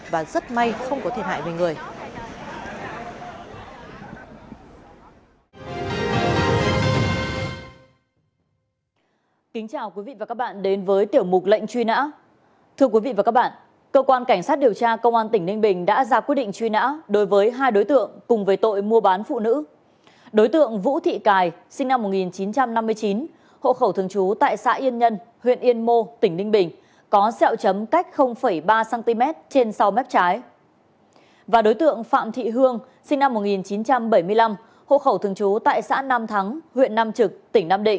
và rất may không có thiệt hại về người